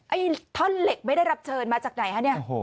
ไอ้ท่อนเหล็กไม่ได้รับเชิญมาจากไหนคะเนี่ย